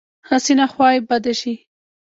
هسې نه خوا یې بده شي.